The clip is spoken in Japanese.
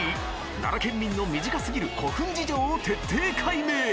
奈良県民の身近すぎる古墳事情を徹底解明！